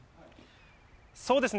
そうですね。